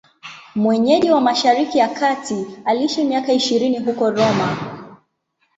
Mwenyeji wa Mashariki ya Kati, aliishi miaka ishirini huko Roma.